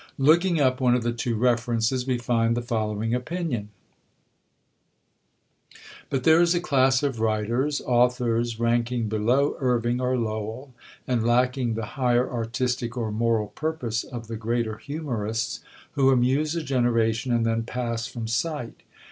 Looking up one of the two references, we find the following opinion: "But there is a class of writers, authors ranking below Irving or Lowell, and lacking the higher artistic or moral purpose of the greater humorists, who amuse a generation and then pass from sight.